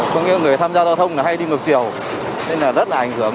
có nghĩa là người tham gia giao thông hay đi ngược chiều nên là rất là ảnh hưởng